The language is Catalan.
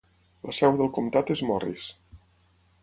La seu del comtat és Morris.